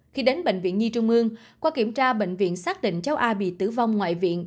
khi đến bệnh viện nhi trung ương qua kiểm tra bệnh viện xác định cháu a bị tử vong ngoại viện